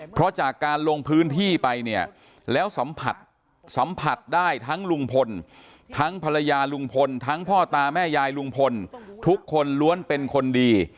เพราะจากการลงพื้นที่ไปเนี่ยแล้วสัมผัสสัมผัสได้ทั้งลุงพลทั้งภรรยาลุงพลทั้งพ่อตาแม่ยายลุงพลทุกคนล้วนเป็นคนดี